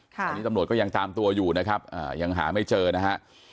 ตอนนี้ตำรวจก็ยังตามตัวอยู่นะครับยังหาไม่เจอนะฮะ